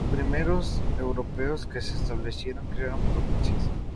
Los primeros europeos que se establecieron crearon provincias.